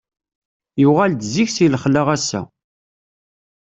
Yuɣal-d zik si lexla ass-a.